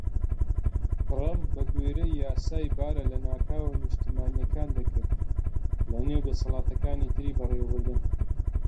ترەمپ بە گوێرەی یاسای بارە لەناکاوە نیشتیمانیەکان دەکرد، لە نێو دەسەڵاتەکانی تری بەڕێوەبردن.